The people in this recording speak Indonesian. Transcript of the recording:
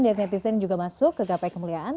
diatin netizen juga masuk ke gape kemuliaan